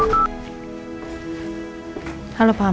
kepada saat itu ai purana dirimu katanya